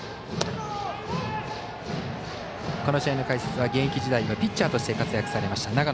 この試合の解説は現役時代ピッチャーとして活躍されました